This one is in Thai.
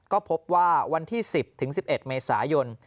ก็พบว่าวันที่๑๐๑๑เมษายน